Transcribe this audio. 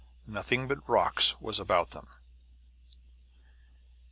Nothing but rocks was about them.